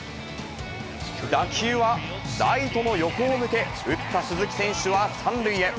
打球はライトの横を抜け、打った鈴木選手は３塁へ。